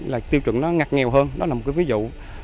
là tiêu chuẩn nó ngặt nghèo hơn đó là một cái ví dụ